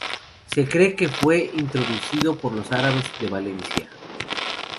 Se cree que fue introducido por los árabes de Valencia.